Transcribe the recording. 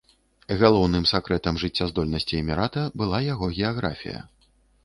Галоўным сакрэтам жыццяздольнасці эмірата была яго геаграфія.